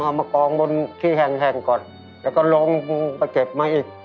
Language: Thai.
มากองบนที่แห่งก่อนแล้วก็ลงไปเก็บมาอีก